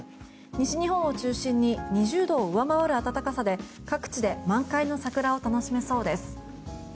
西日本を中心に２０度を上回る暖かさで各地で満開の桜を楽しめそうです。